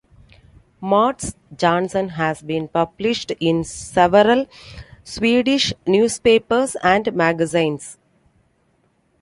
Mats Jonsson has been published in several Swedish newspapers and magazines.